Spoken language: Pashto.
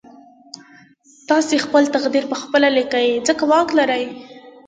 تاسې خپل تقدير پخپله ليکئ ځکه واک لرئ.